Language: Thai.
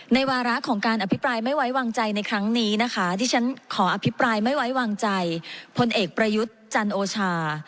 วาระของการอภิปรายไม่ไว้วางใจในครั้งนี้นะคะที่ฉันขออภิปรายไม่ไว้วางใจพลเอกประยุทธ์จันโอชา